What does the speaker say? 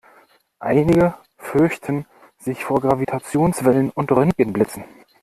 Einige fürchten sich vor Gravitationswellen und Röntgenblitzen.